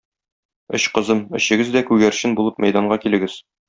Өч кызым, өчегез дә күгәрчен булып мәйданга килегез!